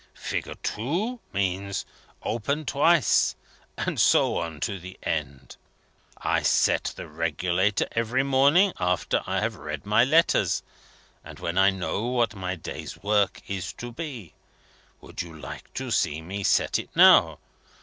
Figure II. means: Open twice; and so on to the end. I set the regulator every morning, after I have read my letters, and when I know what my day's work is to be. Would you like to see me set it now?